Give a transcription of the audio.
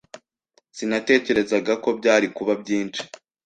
Sinatekerezaga ko byari kuba byinshi.